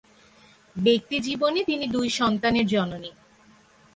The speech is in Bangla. ব্যক্তি জীবনে তিনি দুই সন্তানের জননী।